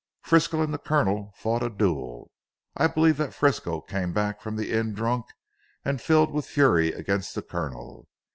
"Frisco and the Colonel fought a duel. I believe that Frisco came back from the inn drunk and filled with fury against the Colonel.